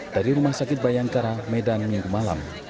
dari rumah sakit bayangkara medan minggu malam